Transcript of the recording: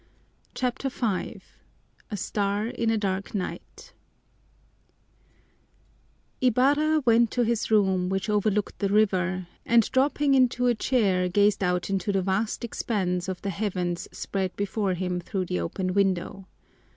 CHAPTER V A Star in a Dark Night Ibarra went to his room, which overlooked the river, and dropping into a chair gazed out into the vast expanse of the heavens spread before him through the open window.